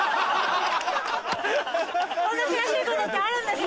こんな悔しいことあるんですね。